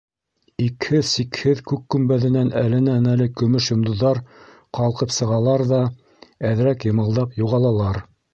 Икһеҙ-сикһеҙ күк көмбәҙенән әленән-әле көмөш йондоҙҙар ҡалҡып сығалар ҙә, әҙерәк йымылдап юғалалар.